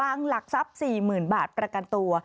หลักทรัพย์๔๐๐๐บาทประกันตัว